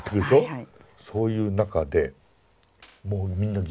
はい。